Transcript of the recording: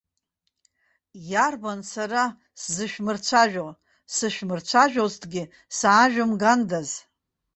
Иарбан сара сзышәмырцәажәо, сышәмырцәажәозҭгьы саашәымгандаз!